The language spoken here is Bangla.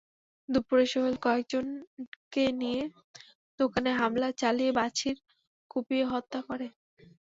দুপুরে সোহেল কয়েকজনকে নিয়ে দোকানে হামলা চালিয়ে বাছির কুপিয়ে হত্যা করে।